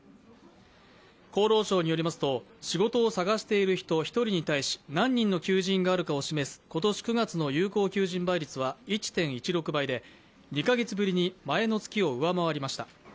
厚労省によりますと仕事を探している人１人に対し何人の求人があるかを示す今年９月の有効求人倍率は１．１６倍で２カ月ぶりに前の月を上回りました。